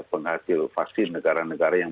penghasil vaksin negara negara yang